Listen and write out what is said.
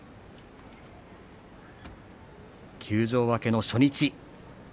休場明けの初日。